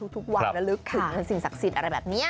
ทุกวันระลึกถึงสิ่งศักดิ์สิทธิ์อะไรแบบนี้